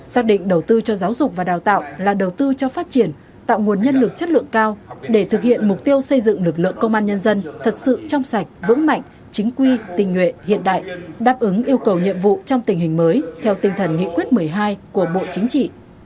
xác định đầu tư cho giáo dục và đào tạo là đầu tư cho phát triển tạo nguồn nhân lực chất lượng cao để thực hiện mục tiêu xây dựng lực lượng công an nhân dân thật sự trong sạch vững mạnh chính quy tình nguyện hiện đại đáp ứng yêu cầu nhiệm vụ trong tình hình mới theo tinh thần nghị quyết một mươi hai của bộ chính trị